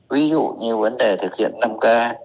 ví dụ như vấn đề thực hiện năm k